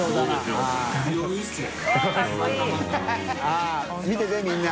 ◆舛見ててみんな。